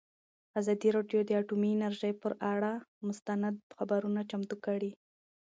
ازادي راډیو د اټومي انرژي پر اړه مستند خپرونه چمتو کړې.